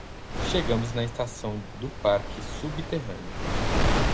Chegamos na estação do parque subterrâneo